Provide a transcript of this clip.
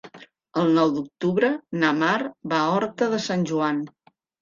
El nou d'octubre na Mar va a Horta de Sant Joan.